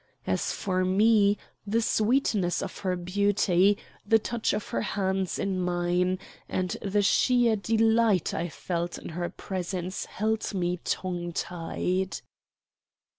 As for me, the sweetness of her beauty, the touch of her hands in mine, and the sheer delight I felt in her presence held me tongue tied.